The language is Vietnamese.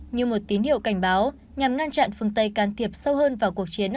như một tín hiệu cảnh báo nhằm ngăn chặn phương tây can thiệp sâu hơn vào cuộc chiến